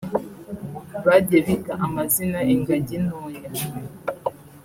bagiye bita amazina ingangi ntoya